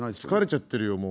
疲れちゃってるよ